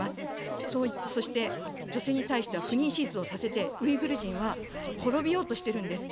そして女性に対しては不妊手術をさせて、ウイグル人は滅びようとしてるんです。